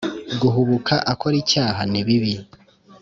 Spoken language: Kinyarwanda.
guhubuka akora icyaha nibibi